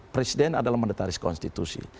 presiden adalah mendataris konstitusi